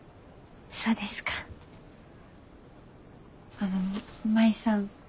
あの舞さん。